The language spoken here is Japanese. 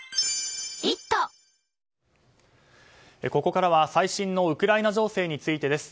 ここからは最新のウクライナ情勢についてです。